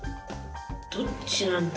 どっちなんだ？